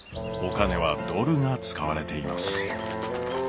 お金はドルが使われています。